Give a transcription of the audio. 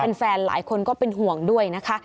แฟนหลายคนก็เป็นห่วงด้วยนะคะ